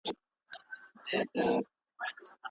موږ د خپلو ادیبانو په بریا فخر کوو.